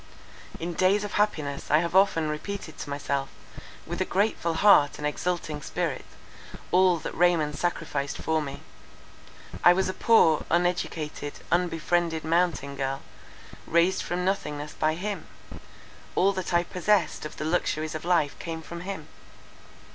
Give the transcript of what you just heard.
In days of happiness I have often repeated to myself, with a grateful heart and exulting spirit, all that Raymond sacrificed for me. I was a poor, uneducated, unbefriended, mountain girl, raised from nothingness by him. All that I possessed of the luxuries of life came from him.